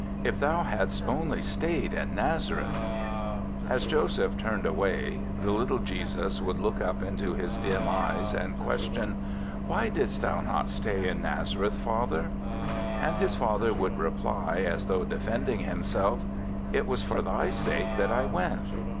If thou hadst only stayed in Nazareth ^* As Joseph turned away, the little THE SEVENTH CHRISTMAS 9 Jesus would look up into his dim eyes and question, "Why didst thou not stay in Nazareth, father?*' And his father would reply, as though defending himself, " It was for thy sake that I went."